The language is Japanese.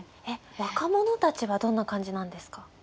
えっ若者たちはどんな感じなんですか？